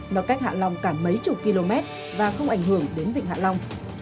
nó cách hạ long cả mấy chục km và không ảnh hưởng đến vịnh hạ long